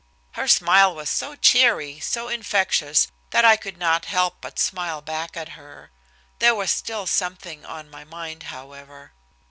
Her smile was so cheery, so infectious, that I could not help but smile back at her. There was still something on my mind, however.